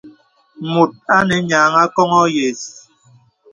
Mùt anə nyìa àkoŋɔ̄ yə̀s.